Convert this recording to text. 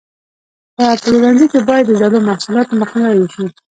په پلورنځي کې باید د زړو محصولاتو مخنیوی وشي.